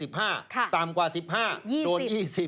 ต่ำกว่า๑๕โดน๒๐